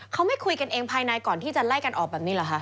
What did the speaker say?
เขาไม่คุยกันเองภายในก่อนที่จะไล่กันออกแบบนี้เหรอคะ